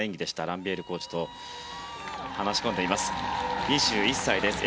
ランビエールコーチと話し込んでいます。